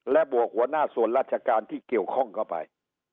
และบวกหัวหน้าส่วนราชการที่เกี่ยวข้องเข้าไป